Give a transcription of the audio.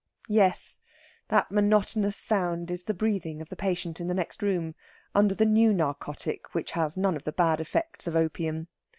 Yes, that monotonous sound is the breathing of the patient in the next room, under the new narcotic which has none of the bad effects of opium.